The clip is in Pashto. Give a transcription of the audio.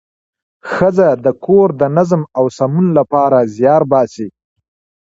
ښځه د کور د نظم او سمون لپاره زیار باسي